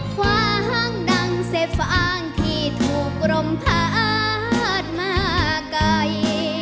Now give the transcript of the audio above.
คว้างดังเสฟอ้างที่ถูกกลมพาดมาไกล